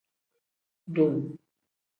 Dum.